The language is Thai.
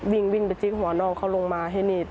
วิ่งไปจิ๊บหัวนอกเขาลงมา